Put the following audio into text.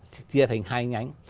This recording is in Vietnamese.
chia thành hai nhánh